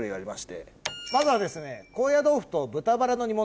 まずはですね。